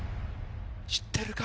⁉知ってるか？